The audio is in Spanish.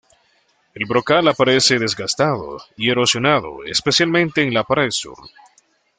El brocal aparece desgastado y erosionado, especialmente en la pared sur.